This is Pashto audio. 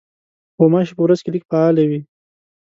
غوماشې په ورځ کې لږ فعالې وي.